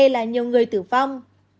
nhiều người tử vong